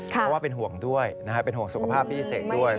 เพราะว่าเป็นห่วงด้วยเป็นห่วงสุขภาพพี่เสกด้วย